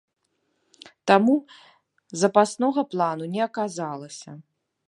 Таму запаснога плану не аказалася.